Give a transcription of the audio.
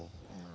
jadi menjadi prb